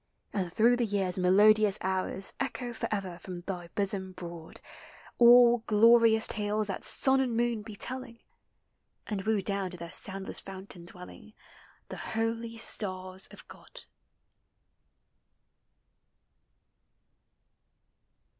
And through the year's melodious hours Echo forever from thy bosom broad All glorious tales that sun and moon be telling: And woo down to their soundless fountain dwell i no The holy stars of God